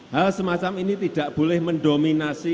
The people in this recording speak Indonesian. hal semacam ini tidak boleh mendominasi